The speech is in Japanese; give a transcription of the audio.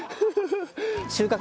収穫